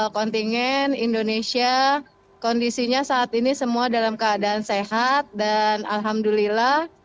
kontingen indonesia kondisinya saat ini semua dalam keadaan sehat dan alhamdulillah